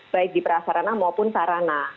baik di prasarana maupun sarana